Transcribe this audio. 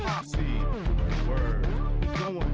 ayolah trim embora